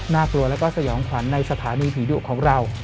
กลัวแล้วก็สยองขวัญในสถานีผีดุของเรา